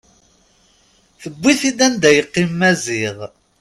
Tewwi-tt-id anda yeqqim Maziɣ.